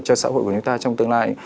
cho xã hội của chúng ta trong tương lai